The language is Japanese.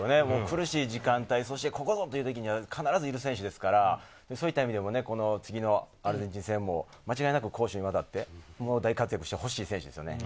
苦しい時間帯、ここぞというときに必ずいる選手ですから、そういった意味でも次のアルゼンチン戦も間違いなく攻守にわたって大活躍してほしい選手です。